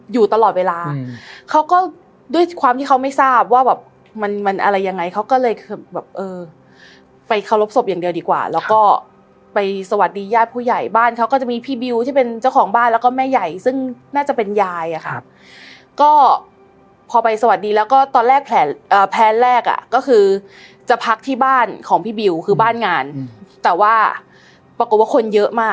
อยู่ตลอดเวลาเขาก็ด้วยความที่เขาไม่ทราบว่าแบบมันมันอะไรยังไงเขาก็เลยคือแบบเออไปเคารพศพอย่างเดียวดีกว่าแล้วก็ไปสวัสดีญาติผู้ใหญ่บ้านเขาก็จะมีพี่บิวที่เป็นเจ้าของบ้านแล้วก็แม่ใหญ่ซึ่งน่าจะเป็นยายอะค่ะก็พอไปสวัสดีแล้วก็ตอนแรกแผนแรกอ่ะก็คือจะพักที่บ้านของพี่บิวคือบ้านงานแต่ว่าปรากฏว่าคนเยอะมาก